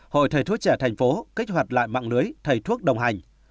hội thầy thuốc trẻ tp kích hoạt lại mạng lưới thầy thuốc đồng hành